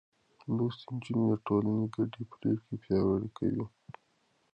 لوستې نجونې د ټولنې ګډې پرېکړې پياوړې کوي.